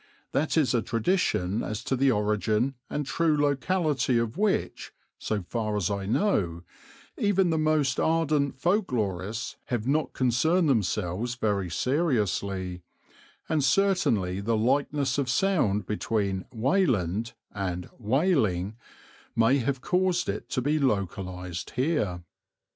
That is a tradition as to the origin and true locality of which, so far as I know, even the most ardent folk lorists have not concerned themselves very seriously, and certainly the likeness of sound between "Weyland" and "Wailing" may have caused it to be localized here.